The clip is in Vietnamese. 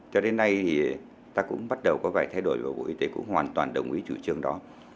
cho đến nay thì ta cũng bắt đầu có vài thay đổi và bộ y tế cũng hoàn toàn đồng ý chủ trương đó